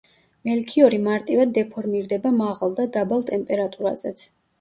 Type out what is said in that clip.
მელქიორი მარტივად დეფორმირდება მაღალ და დაბალ ტემპერატურაზეც.